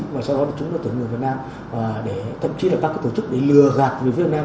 và sau đó chúng nó tổ chức người việt nam thậm chí là các tổ chức để lừa gạt người việt nam